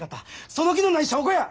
その気のない証拠や！